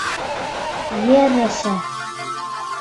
Ер-әсә: